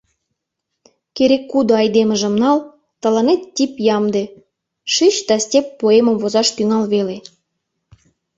Керек-кудо айдемыжым нал — тыланет тип ямде: шич да степь поэмым возаш тӱҥал веле.